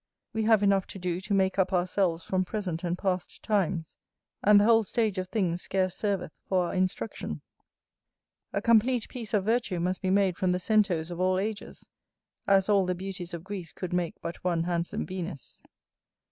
We have enough to do to make up ourselves from present and passed times, and the whole stage of things scarce serveth for our instruction. A complete piece of virtue must be made from the Centos of all ages, as all the beauties of Greece could make but one handsome Venus.